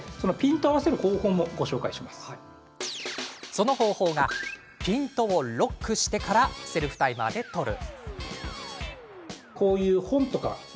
その方法がピントをロックしてからセルフタイマーで撮る。